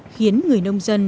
khiến người nông dân